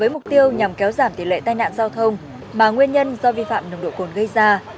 với mục tiêu nhằm kéo giảm tỷ lệ tai nạn giao thông mà nguyên nhân do vi phạm nồng độ cồn gây ra